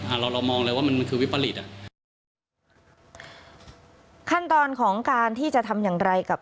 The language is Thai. เราเรามองเลยว่ามันมันคือวิปริตอ่ะขั้นตอนของการที่จะทำอย่างไรกับ